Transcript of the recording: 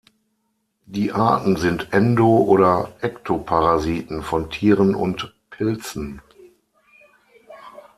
Die Arten sind Endo- oder Ektoparasiten von Tieren und Pilzen.